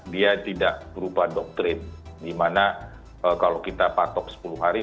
dia tidak berupa doktrin di mana kalau kita patok sepuluh hari